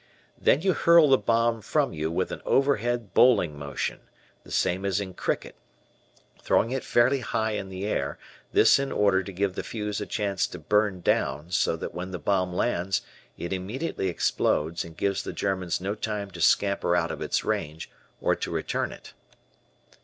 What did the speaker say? Then you hurl the bomb from you with an overhead bowling motion, the same as in cricket, throwing it fairly high in the air, this in order to give the fuse a chance to burn down so that when the bomb lands, it immediately explodes and gives the Germans no time to scamper out of its range or to return it.